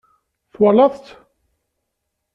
Twalaḍ-t?